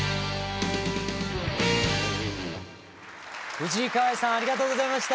藤井香愛さんありがとうございました。